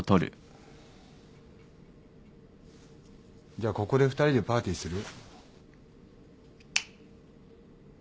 じゃあここで二人でパーティーする？